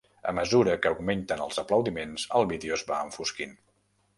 A mesura que augmenten els aplaudiments, el vídeo es va enfosquint.